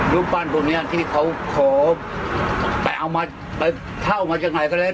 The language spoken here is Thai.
รูปปั้นตรงเนี้ยที่เขาขอแต่เอามาไปถ้าเอามาจากไหนก็ได้